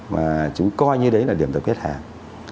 mà chúng coi như đấy là điểm tập kết hàng